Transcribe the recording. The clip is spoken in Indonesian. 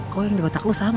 kau yang di otak lo sama